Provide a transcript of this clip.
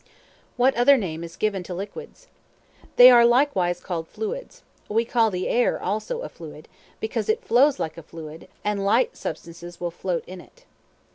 What other name is given to Liquids? They are likewise called fluids: we call the air, also, a fluid, because it flows like a fluid, and light substances will float in it.